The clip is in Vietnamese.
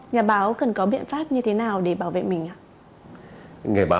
nhà báo cần có biện pháp như thế nào để bảo vệ mình ạ